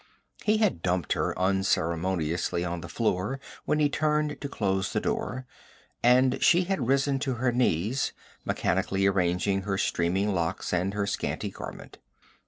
He had dumped her unceremoniously on the floor when he turned to close the door, and she had risen to her knees, mechanically arranging her streaming locks and her scanty garment.